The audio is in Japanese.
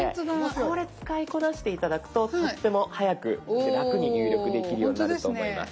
これ使いこなして頂くととっても早く楽に入力できるようになると思います。